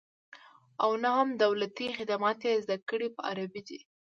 او نه هم دولتي خدمات یې زده کړې په عربي دي